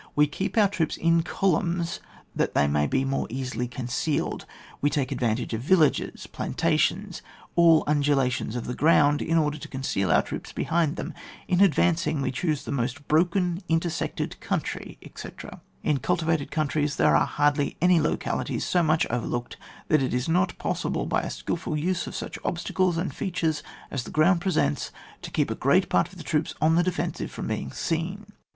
We keep our troops in columns that they may be the more easily concealed; we take advantage of villages, plantations, aU undulations of the groimd, in order to conceal our troops behind them; in advancing we choose the most broken intersected country, etc. In cultivated countries there are hardly any localities so much overlooked that it is not possible by a skilful use of such obstacles and features as the ground presents, to keep a great part of the troops on the defensive from being seen.